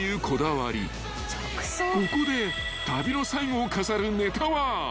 ［ここで旅の最後を飾るねたは］